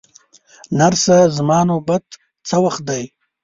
نرسه، زما نوبت څه وخت دی؟